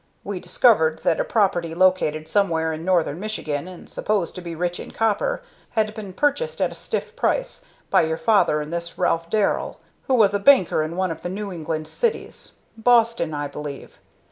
We discovered that a property located somewhere in Northern Michigan, and supposed to be rich in copper, had been purchased at a stiff price by your father and this Ralph Darrell, who was a banker in one of the New England cities Boston, I believe.